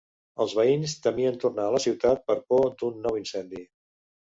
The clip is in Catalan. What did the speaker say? Els veïns temien tornar a la ciutat per por d'un nou incendi.